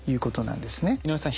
井上さん